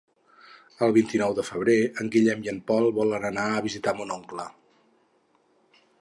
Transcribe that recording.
El vint-i-nou de febrer en Guillem i en Pol volen anar a visitar mon oncle.